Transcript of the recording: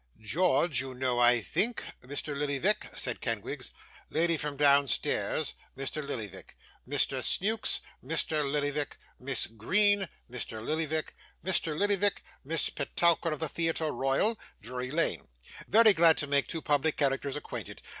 'George, you know, I think, Mr. Lillyvick,' said Kenwigs; 'lady from downstairs Mr. Lillyvick. Mr. Snewkes Mr. Lillyvick. Miss Green Mr Lillyvick. Mr. Lillyvick Miss Petowker of the Theatre Royal, Drury Lane. Very glad to make two public characters acquainted!